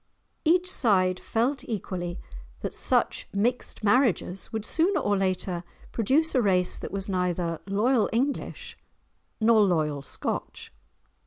Each side felt equally that such mixed marriages would sooner or later produce a race that was neither loyal English nor loyal Scotch.